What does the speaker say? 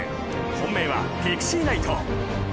本命はピクシーナイト。